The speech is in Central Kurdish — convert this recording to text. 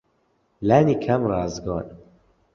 لانیکەم ڕاستگۆن.